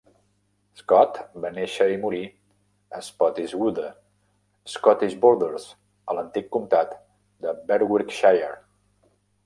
Scott va néixer i morir a Spottiswoode, Scottish Borders, a l'antic comtat de Berwickshire.